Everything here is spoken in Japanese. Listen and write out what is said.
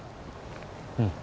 うん。